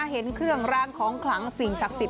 เห็นเครื่องรางของขลังสิ่งศักดิ์สิท